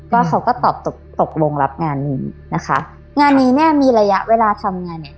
เขาก็ตอบตกตกลงรับงานนี้นะคะงานนี้เนี้ยมีระยะเวลาทำงานเนี้ย